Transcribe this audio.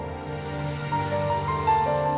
kakak kecewa sama kamu